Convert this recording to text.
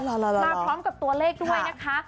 มาพร้อมกับตัวเลขด้วยนะคะ